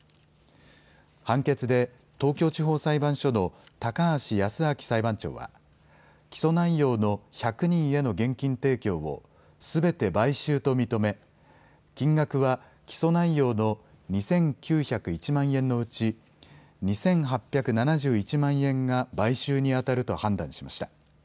判決で東京地方裁判所の高橋康明裁判長は起訴内容の１００人への現金提供をすべて買収と認め金額は起訴内容の２９０１万円のうち２８７１万円が買収にあたると判断しました。